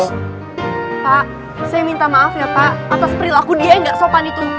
pak saya minta maaf ya pak atas perilaku dia yang gak sopan itu